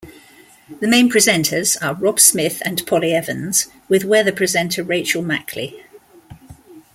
The main presenters are Rob Smith and Polly Evans with weather presenter Rachel Mackley.